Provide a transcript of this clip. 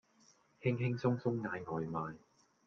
輕輕鬆鬆嗌外賣